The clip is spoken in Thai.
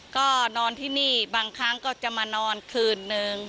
ก็นอนที่นี่บางครั้งก็จะมานอนคืนนึง